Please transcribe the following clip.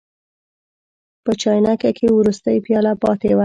په چاینکه کې وروستۍ پیاله پاتې وه.